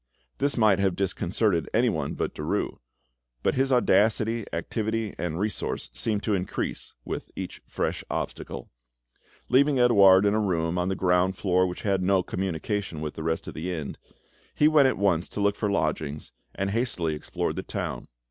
This might have disconcerted anyone but Derues, but his audacity, activity, and resource seemed to increase with each fresh obstacle. Leaving Edouard in a room on the ground floor which had no communication with the rest of the inn, he went at once to look for lodgings, and hastily explored the town.